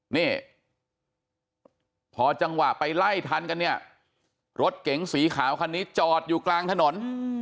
นี่พอจังหวะไปไล่ทันกันเนี่ยรถเก๋งสีขาวคันนี้จอดอยู่กลางถนน